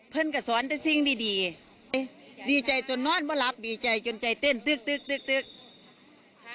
เพื่อนก็สอนแต่สิ่งดีดีใจจนนอนมาหลับดีใจจนใจเต้นตึ๊ก